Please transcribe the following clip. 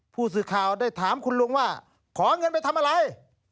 ผู้สื่อข่าวได้ถามคุณลุงว่าขอเงินไปทำอะไร